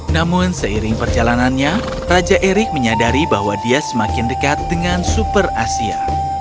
namun seiring perjalanannya raja erick menyadari bahwa dia semakin dekat dengan super asia